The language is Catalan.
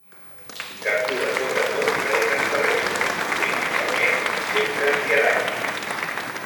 Captura sobretot preses terrestres, principalment insectes i aranyes.